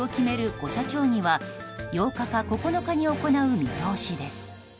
５者協議は８日か９日に行う見通しです。